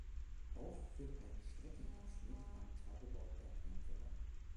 Auch führt ein Streckenabschnitt am Tagebau Bergheim vorbei.